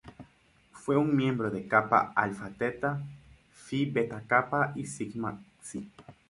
Fue una miembro de Kappa Alpha Theta, Phi Beta Kappa y Sigma Xi.